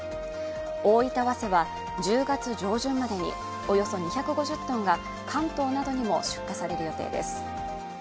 おおいた早生は１０月上旬までに、およそ２５０ｔが関東などにも出荷される予定です。